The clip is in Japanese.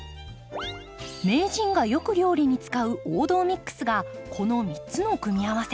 名人がよく料理に使う王道ＭＩＸがこの３つの組み合わせ。